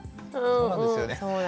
そうなんですよね。